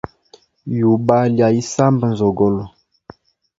Yuba lya isamba nzogolo.